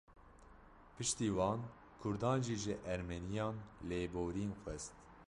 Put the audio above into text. Piştî wan, Kurdan jî ji Ermeniyan lêborîn xwest